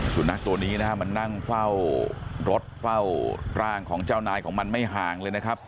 สุนัขตัวนี้นะฮะมันนั่งเฝ้ารถเฝ้าร่างของเจ้านายของมันไม่ห่างเลยนะครับ